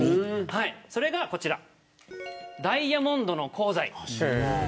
それがこちらダイヤモンドの功罪。